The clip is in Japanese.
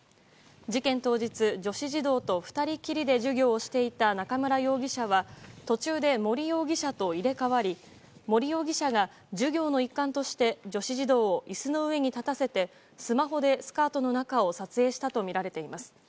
事件当日、女子児童と２人きりで授業をしていた中村容疑者は途中で森容疑者と入れ替わり森容疑者が授業の一環として女子児童を椅子の上に立たせてスマホでスカートの中を撮影したとみられています。